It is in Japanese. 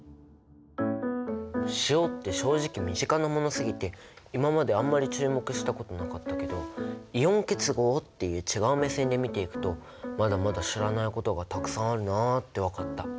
塩って正直身近なものすぎて今まであんまり注目したことなかったけどイオン結合っていう違う目線で見ていくとまだまだ知らないことがたくさんあるなって分かった。